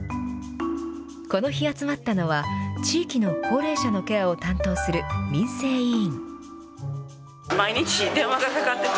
この日集まったのは、地域の高齢者のケアを担当する民生委員。